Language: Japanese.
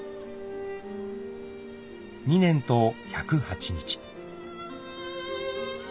［２年と１０８日］